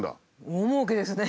大もうけですね。